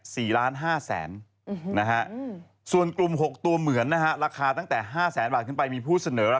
ครั้งแรกนะคุณผู้ชม